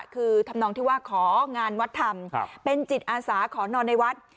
คือทำนองที่ว่าของานวัดธรรมเป็นจิตอาสาขอนอนในวัด